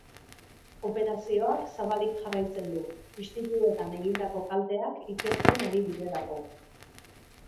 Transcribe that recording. Operazioak zabalik jarraitzen du, istiluetan egindako kalteak ikertzen ari direlako.